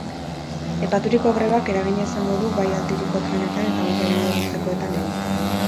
Aipaturiko grebak eragina izango du bai aldiriko trenetan eta baita ibilbide luzekoetan ere.